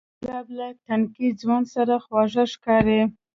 ګلاب له تنکي ځوان سره خواږه ښکاري.